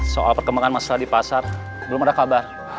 soal perkembangan masalah di pasar belum ada kabar